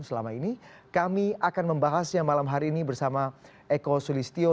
selama ini kami akan membahasnya malam hari ini bersama eko sulistyo